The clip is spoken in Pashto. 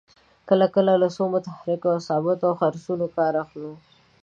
کله کله له څو متحرکو او ثابتو څرخونو کار اخلو.